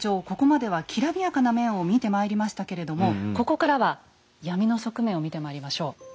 ここまではきらびやかな面を見てまいりましたけれどもここからは闇の側面を見てまいりましょう。